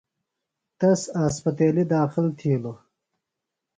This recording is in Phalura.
تس اسپتیلیۡ داخل تِھیلوۡ۔